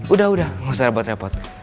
udah udah gak usah repot repot